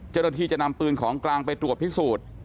เศรษฐีจะนำปืนของกลางไปตรวจพิสูจน์